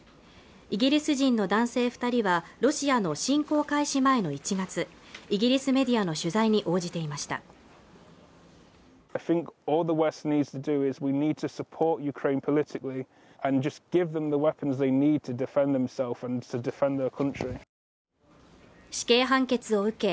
イギリス人の男性二人はロシアの侵攻開始前の１月イギリスメディアの取材に応じていました死刑判決を受け